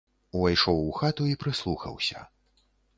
Увайшоў у хату і прыслухаўся.